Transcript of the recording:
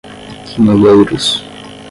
quinhoeiros